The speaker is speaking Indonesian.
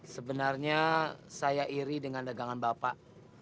sebenarnya saya iri dengan dagangan bapak